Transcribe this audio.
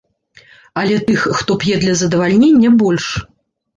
Але тых, хто п'е для задавальнення, больш.